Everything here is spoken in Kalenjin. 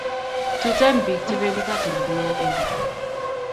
Tuten pik che pendi katholik nea en gaa